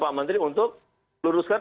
saya berharap untuk luruskan